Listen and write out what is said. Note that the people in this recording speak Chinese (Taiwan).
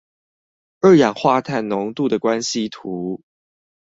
二氧化碳濃度的關係圖